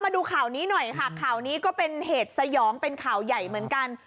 มาดูข่าวนี้หน่อยค่ะข่าวนี้ก็เป็นเหตุสยองเป็นข่าวใหญ่เหมือนกัน